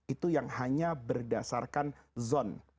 itu yang hanya berdasarkan zon